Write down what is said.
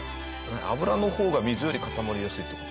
油の方が水より固まりやすいって事？